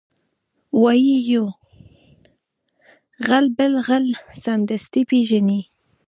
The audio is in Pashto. وایي یو غل بل غل سمدستي پېژني